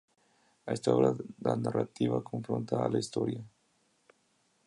En esta obra la narrativa confronta a la historia.